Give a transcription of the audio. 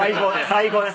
最高です。